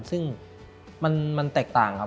ซึ่งมันแตกต่างครับ